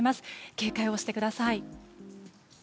警戒をしてください。